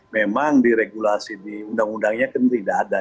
memang diregulasi di undang undangnya kan tidak ada